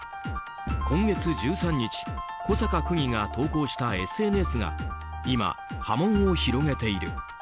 今月１３日小坂区議が投稿したＳＮＳが今、波紋を広げている。